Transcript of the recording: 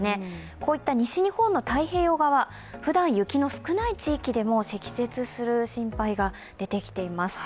こういった西日本の太平洋側、ふだん雪の少ない地域でも積雪する心配が出てきています。